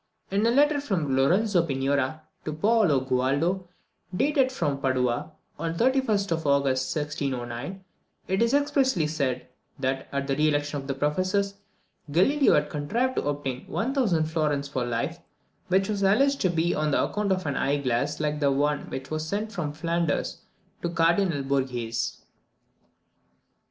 In a letter from Lorenzo Pignoria to Paolo Gualdo, dated from Padua, on the 31st of August 1609, it is expressly said, that, at the re election of the professors, Galileo had contrived to obtain 1000 florins for life, which was alleged to be on account of an eye glass like the one which was sent from Flanders to the Cardinal Borghese.